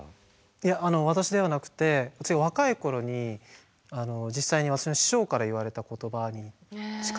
いや私ではなくて若い頃に実際に私の師匠から言われた言葉に近いですね。